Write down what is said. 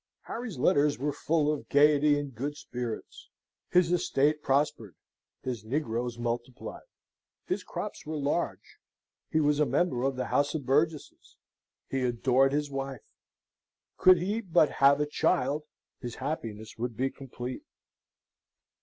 Harry's letters were full of gaiety and good spirits. His estate prospered: his negroes multiplied; his crops were large; he was a member of our House of Burgesses; he adored his wife; could he but have a child his happiness would be complete.